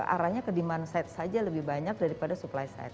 arahnya ke demand side saja lebih banyak daripada supply side